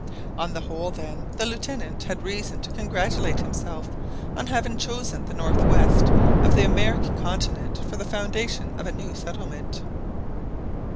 On the whole, then, the Lieutenant had reason to congratulate himself on having chosen the north west of the American continent for the foundation of a new settlement.